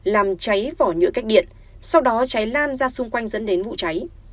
làm cháy vỏ nhựa cách điện sau đó cháy lan ra xung quanh dẫn đến vụ cháy